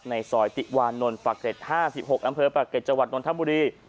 ในซอยติวานนลประเกร็ดห้าสิบหกอำเภอประเกร็จจังหวัดนต์ธับบุรี